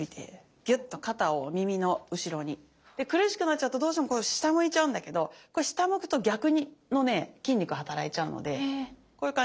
ぎゅっと肩を耳の後ろに。で苦しくなっちゃうとどうしてもこう下向いちゃうんだけどこれ下向くと逆のね筋肉働いちゃうのでこういう感じ。